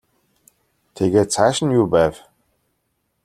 Тэгээд цааш нь юу байв?